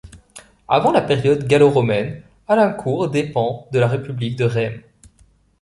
Avant la période gallo-romaine, Alincourt dépend de la république des Rèmes.